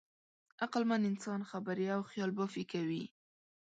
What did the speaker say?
عقلمن انسان خبرې او خیالبافي کوي.